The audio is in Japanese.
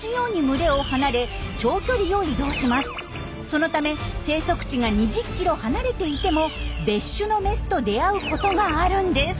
そのため生息地が２０ｋｍ離れていても別種のメスと出会うことがあるんです。